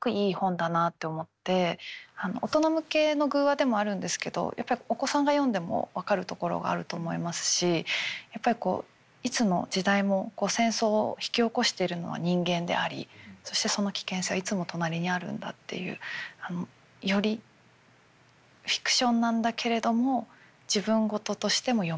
大人向けの寓話でもあるんですけどやっぱりお子さんが読んでも分かるところがあると思いますしやっぱりこういつの時代も戦争を引き起こしているのは人間でありそしてその危険性はいつも隣にあるんだっていうよりフィクションなんだけれども自分事としても読めるという。